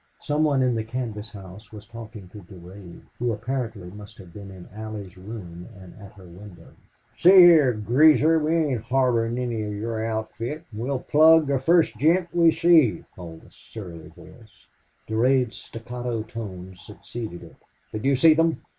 Some one in the canvas house was talking to Durade, who apparently must have been in Allie's room and at her window. "See hyar, Greaser, we ain't harborin' any of your outfit, an' we'll plug the fust gent we see," called a surly voice. Durade's staccato tones succeeded it. "Did you see them?"